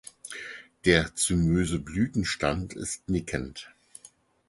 Der zymöse Blütenstand ist nickend.